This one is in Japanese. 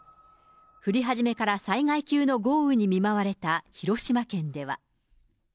降り始めから災害級の豪雨に見舞われた広島県では。